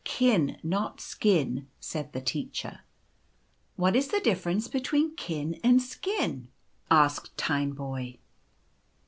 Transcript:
Kin, not skin," said the Teacher. " What is the difference between kin and skin ?" asked Tineboy.